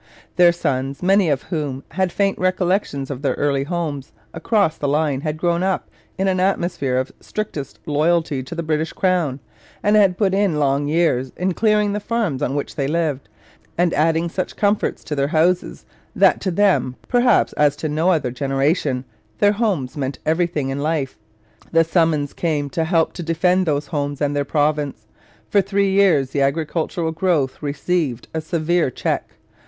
Their sons, many of whom had faint recollection of their early homes across the line, had grown up in an atmosphere of strictest loyalty to the British crown, and had put in long years in clearing the farms on which they lived and adding such comforts to their houses, that to them, perhaps as to no other generation, their homes meant everything in life. The summons came to help to defend those homes and their province. For three years the agricultural growth received a severe check.